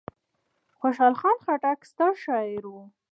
خوشحال خان خټک ستر شاعر و.